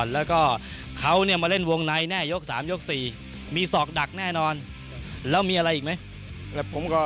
แล้วผมก็กลับมอเรื่องนั้นเราแม่กลัวอยู่แหละ